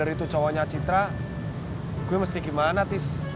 dari itu cowoknya citra gue mesti gimana tis